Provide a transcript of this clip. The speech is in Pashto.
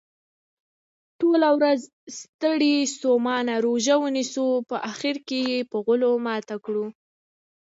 ټوله ورځ ستړي ستوماته روژه ونیسو په اخرکې یې په غولو ماته کړو.